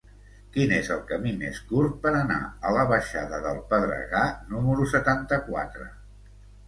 Quin és el camí més curt per anar a la baixada del Pedregar número setanta-quatre?